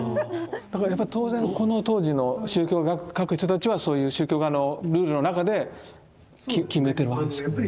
だから当然この当時の宗教画描く人たちはそういう宗教画のルールの中で決めてるわけですよね。